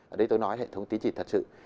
ở đây tôi nói hệ thống tín chỉ thật sự